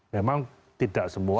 memang tidak semua